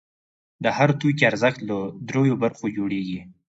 د هر توکي ارزښت له درېیو برخو جوړېږي